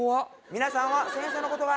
皆さんは先生のことが？